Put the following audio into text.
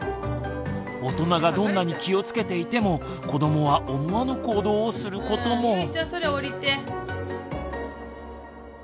大人がどんなに気をつけていても子どもは思わぬ行動をすることも。